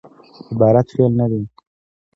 عبارت فعل نه لري.